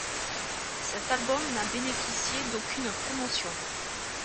Cet album n'a bénéficié d'aucune promotion.